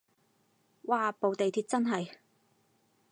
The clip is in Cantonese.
嘩部地鐵真係